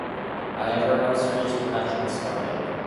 However, no series production was started.